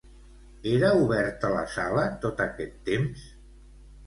Era oberta la sala tot aquest temps?